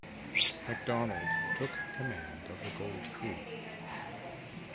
McDonald took command of the Gold Crew.